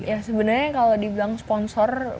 ya sebenarnya kalau dibilang sponsor